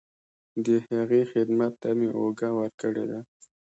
د هغې خدمت ته مې اوږه ورکړې ده.